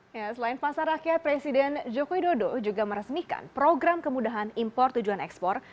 selain pasar rakyat presiden jokowi dodo juga meresmikan program kemudahan impor tujuan ekspor